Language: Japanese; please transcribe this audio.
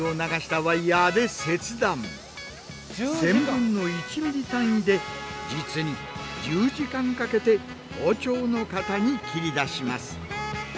１０００分の１ｍｍ単位で実に１０時間かけて包丁の型に切り出します。